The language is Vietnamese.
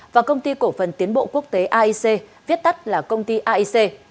và công ty cổ phần tiến bộ quốc tế aic viết tắt là công ty aic